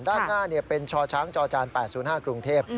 ด้านหน้าเป็นชช้างจอจาน๘๐๕กรุงเทพฯ